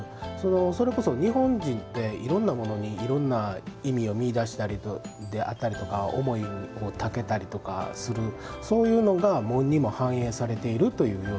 それこそ、日本人っていろんなものにいろんな意味を見いだしたりであったりとか思いをはせたりしてそういうのが紋にも反映されている。